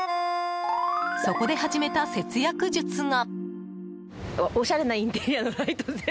そこで始めた節約術が。